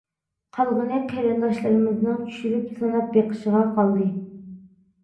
قالغىنى قېرىنداشلىرىمىزنىڭ چۈشۈرۈپ سىناپ بېقىشىغا قالدى!